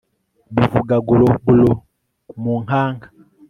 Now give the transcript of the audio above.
Bivuga gorogoro mu nkanka